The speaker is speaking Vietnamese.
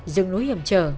dương núi hiểm trở